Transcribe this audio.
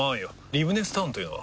リブネスタウンというのは？